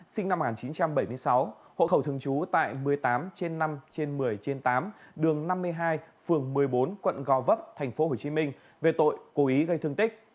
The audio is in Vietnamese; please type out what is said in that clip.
sinh năm một nghìn chín trăm bảy mươi sáu hộ khẩu thường trú tại một mươi tám trên năm trên một mươi trên tám đường năm mươi hai phường một mươi bốn quận gò vấp tp hcm về tội cố ý gây thương tích